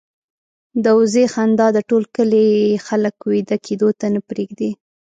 د وزې خندا د ټول کلي خلک وېده کېدو ته نه پرېږدي.